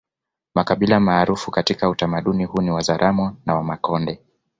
Makabila maarufu katika utamaduni huu ni Wazaramo na Wamakonde